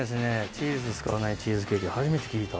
チーズ使わないチーズケーキ初めて聞いた。